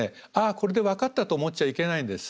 これで分かったと思っちゃいけないんです。